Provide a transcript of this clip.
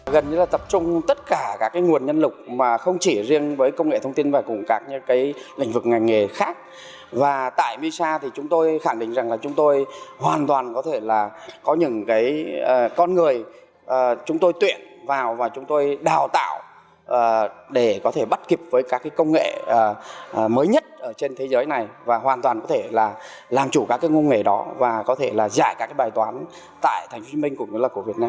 gần như là tập trung tất cả các nguồn nhân lục mà không chỉ riêng với công nghệ thông tin và cùng các